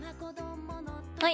はい。